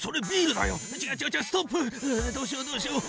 どうしようどうしよう。